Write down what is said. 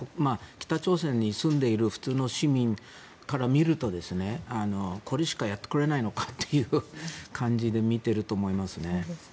北朝鮮に住んでいる普通の市民から見るとこれしかやれないのかという感じで見ていると思いますね。